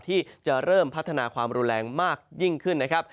ที่จะเริ่มพัฒนาความรุนแรงมากยิ่งขึ้นนะครับ